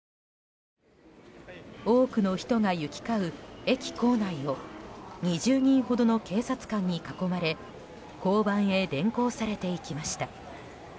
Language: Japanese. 多くの人が行き交う駅構内を２０人ほどの警察官に囲まれ交番へ連行されていきました。